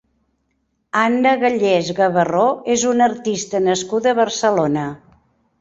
Anna Gallés Gabarró és una artista nascuda a Barcelona.